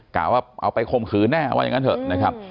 กะว่าเอาไปคมขืนแน่ว่าอย่างนั้นเถอะนะครับ